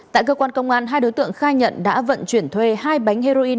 tại cơ quan công an hai đối tượng khai nhận đã vận chuyển thuê hai bánh heroin